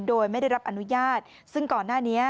โดยไม่ได้รับอนุญาตซึ่งก่อนหน้านี้